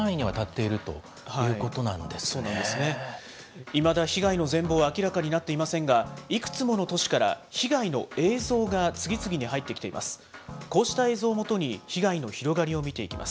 いまだ、被害の全貌は明らかになっていませんが、いくつもの都市から被害の映像が次々に入ってきています。